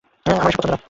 আমার এসব পছন্দ নয়।